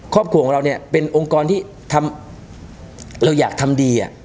ครอบครัวของเราเนี่ยเป็นองค์กรที่เราอยากทำดี